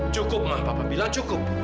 cukup ma papa bilang cukup